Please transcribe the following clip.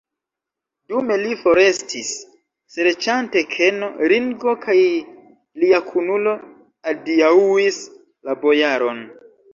Dume li forestis, serĉante keno, Ringo kaj lia kunulo adiaŭis la bojaron.